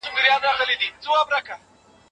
هغه ځان له خطره وساتی او ولاړی.